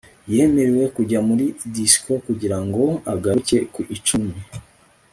yemerewe kujya muri disco kugira ngo agaruke ku icumi